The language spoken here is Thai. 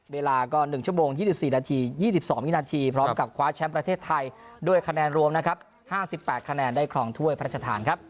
เวลาก็๑ชั่วโมง๒๔นาที๒๒วินาทีพร้อมกับคว้าแชมป์ประเทศไทยด้วยคะแนนรวมนะครับ๕๘คะแนนได้ครองถ้วยพระราชทานครับ